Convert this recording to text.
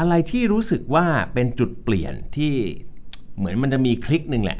อะไรที่รู้สึกว่าเป็นจุดเปลี่ยนที่เหมือนมันจะมีคลิกหนึ่งแหละ